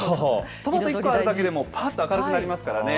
トマト１個あるだけでも明るくなりますからね。